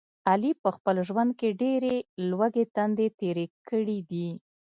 علي په خپل ژوند کې ډېرې لوږې تندې تېرې کړي دي.